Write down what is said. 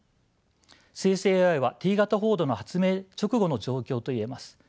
生成ＡＩはＴ型フォードの発明直後の状況といえます。